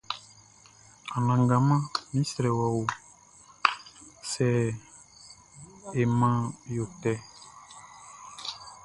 Anangaman mi srɛ wɔ o, siɛ he man yo tɛ.